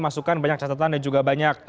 masukan banyak catatan dan juga banyak